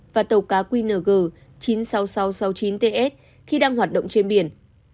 và tàu cá qng chín mươi sáu nghìn sáu trăm sáu mươi chín ts khi đang hoạt động trên biển